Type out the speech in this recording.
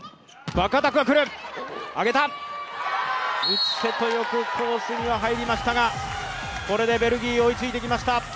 内瀬戸、よくコースには入りましたが、これでベルギー追いついてきました。